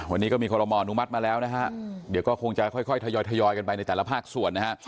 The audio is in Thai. วันนี้ก็มีคอรมออนุมัติมาแล้วนะฮะเดี๋ยวก็คงจะค่อยทยอยทยอยกันไปในแต่ละภาคส่วนนะฮะ